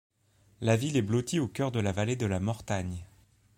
La ville est blottie au cœur de la vallée de la Mortagne.